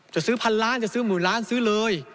จะซื้อพันล้านจะซื้อหมื่นล้านซื้อเลย